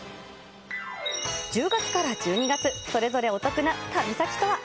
１０月から１２月、それぞれお得な旅先とは？